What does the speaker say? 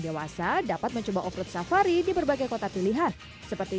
dewasa dapat mencoba off road safari di berbagai kota pilihan seperti